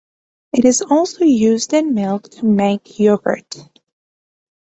It is also used in milk to make yogurt.